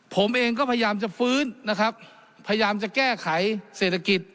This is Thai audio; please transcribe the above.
ผมเองก็พยายามจะฟื้นนะครับพยายามจะแก้ไขเศรษฐกิจ